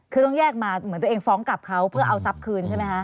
คือต้องแยกมาเหมือนตัวเองฟ้องกลับเขาเพื่อเอาทรัพย์คืนใช่ไหมคะ